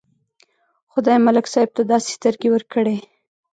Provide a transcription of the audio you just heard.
خدای ملک صاحب ته داسې سترګې ورکړې.